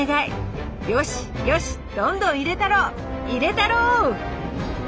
「よしよしどんどん入れたろう入れたろう！」